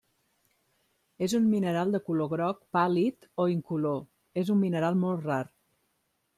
És un mineral de color groc pàl·lid o incolor, és un mineral molt rar.